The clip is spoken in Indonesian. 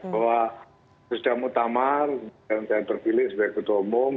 bahwa sudah mutamar dan saya terpilih sebagai ketua umum